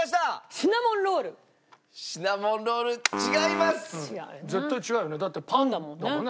シナモンロールはパンだもん。